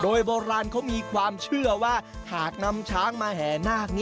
โดยโบราณเขามีความเชื่อว่าหากนำช้างมาแห่นาค